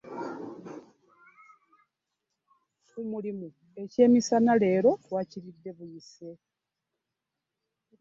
Ku mulimu ekyemisana leero twakiridde buyise.